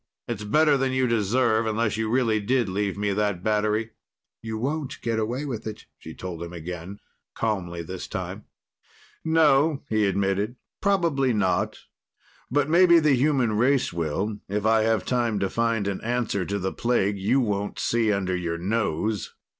It's better than you deserve, unless you really did leave me that battery." "You won't get away with it," she told him again, calmly this time. "No," he admitted. "Probably not. But maybe the human race will, if I have time to find an answer to the plague you won't see under your nose.